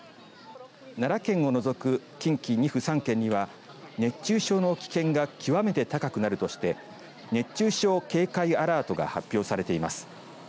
奈良県を除く近畿２府３県には熱中症の危険が極めて高くなるとして熱中症警戒アラートが発表されています。